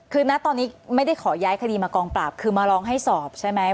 คือณตอนนี้ไม่ได้ขอย้ายคดีมากองปราบคือมาร้องให้สอบใช่ไหม